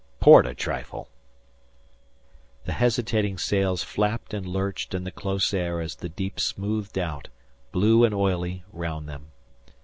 Port a trifle." The hesitating sails flapped and lurched in the close air as the deep smoothed out, blue and oily, round them.